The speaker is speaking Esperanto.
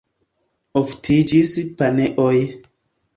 Oftiĝis paneoj.